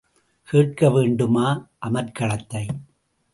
கேட்க வேண்டுமா அமர்க்களத்தை!